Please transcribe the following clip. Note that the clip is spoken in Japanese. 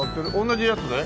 同じやつで？